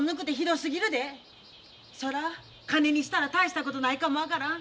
そら金にしたら大したことないかも分からん。